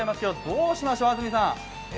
どうしましょう、安住さん。